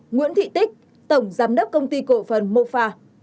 nguyễn thị tích tổng giám đốc công ty cổ phần mô pha